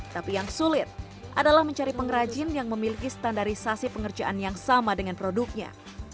tapi yang sulit adalah mencari pengrajin yang memiliki standarisasi pengerjaan yang sama dengan produknya